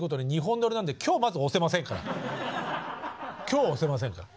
今日は押せませんから。